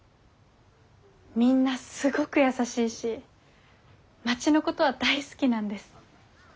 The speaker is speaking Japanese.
みんなすごく優しいし町のことは大好きなんです。